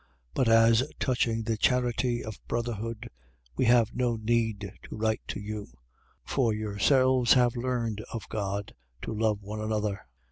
4:9. But as touching the charity of brotherhood, we have no need to write to you: for yourselves have learned of God to love one another.